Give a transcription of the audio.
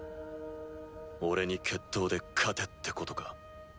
俺に決闘で勝てってことか？